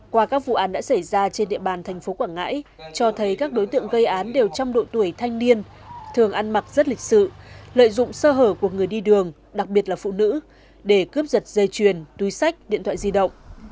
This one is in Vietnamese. qua các vụ án đã xảy ra trên địa bàn thành phố quảng ngãi cho thấy các đối tượng gây án đều trong độ tuổi thanh niên thường ăn mặc rất lịch sự lợi dụng sơ hở của người đi đường đặc biệt là phụ nữ để cướp giật dây chuyền túi sách điện thoại di động